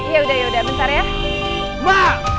yaudah yaudah bentar ya